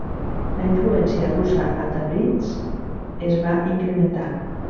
La influència russa a Tabriz es va incrementar.